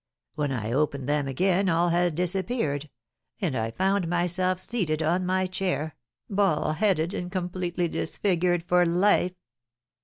When I opened them again all had disappeared, and I found myself seated on my chair, bald headed and completely disfigured for life.